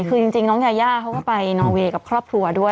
คือจริงน้องยาย่าเขาก็ไปนอเวย์กับครอบครัวด้วย